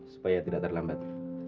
supaya tidak terlambat